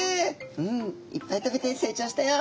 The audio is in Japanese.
「うんいっぱい食べて成長したよ」。